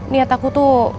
niat aku tuh